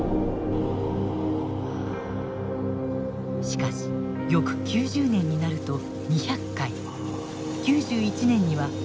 しかし翌９０年になると２００回９１年には無数に紙面に躍る。